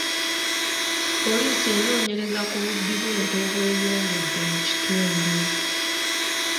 Poliisi enoonyereza ku bubbi bw'ente obweyongedde mu kitundu.